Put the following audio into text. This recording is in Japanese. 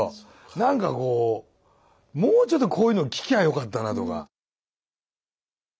なんかこうもうちょっとこういうの聞きゃあよかったなぁとか。